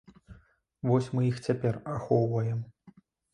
Вось мы іх цяпер ахоўваем.